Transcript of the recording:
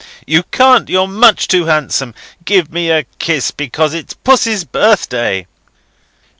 "You can't. You're much too handsome. Give me a kiss because it's Pussy's birthday."